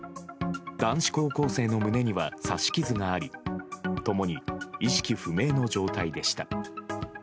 男子高校生の胸には刺し傷があり共に意識不明の状態でした。